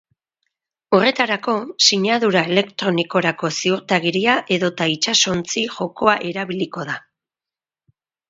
Horretarako, sinadura elektronikorako ziurtagiria edota itsasontzi-jokoa erabiliko da.